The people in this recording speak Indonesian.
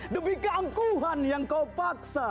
demi keangkuhan yang kau paksa